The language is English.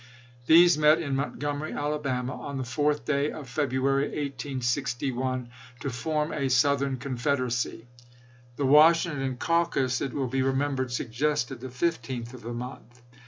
These met in Montgomery, Alabama, on the 4th day of February, 1861, to form a Southern Confederacy. The Washington caucus, it will be remembered, suggested the 15th of the month.